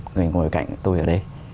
người ngồi cạnh tôi ở đây